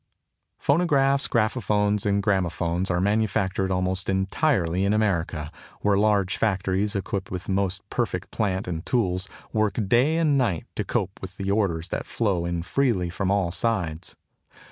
Phonographs, Graphophones, and Gramophones are manufactured almost entirely in America, where large factories, equipped with most perfect plant and tools, work day and night to cope with the orders that flow in freely from all sides.